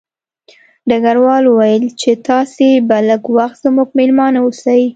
ډګروال وویل چې تاسې به لږ وخت زموږ مېلمانه اوسئ